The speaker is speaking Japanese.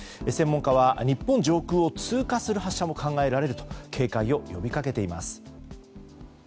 専門家は日本上空を通過する発射も考えられると警戒を呼びかけています。